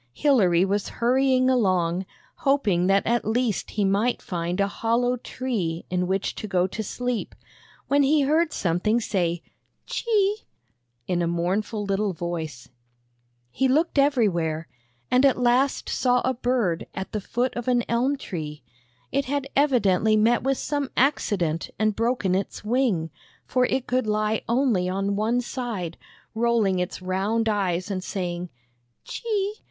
Hilary was hurrying along, hoping that at least he might find a hollow tree in which to go to sleep, when he heard something say " Chee! " in a mournful little voice. IXO THE BAG OF SMILES He looked everywhere, and at last saw a bird at the foot of an elm tree. It had evidently met with some accident and broken its wing, for it could lie only on one side, rolling its round eyes and saying, " Chee!